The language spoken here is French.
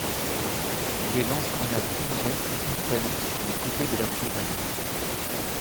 Des lance-grenades fumigènes sont installés sur les côtés de la tourelle.